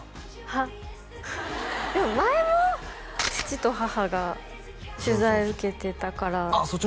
はっでも前も父と母が取材受けてたからあっ